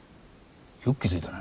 よく気付いたな。